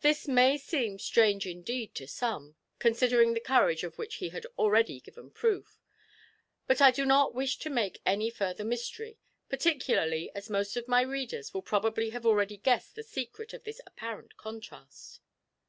This may seem strange indeed to some, considering the courage of which he had already given proof, but I do not wish to make any further mystery, particularly as most of my readers will probably have already guessed the secret of this apparent contrast.